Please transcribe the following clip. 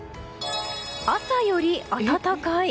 朝より暖かい。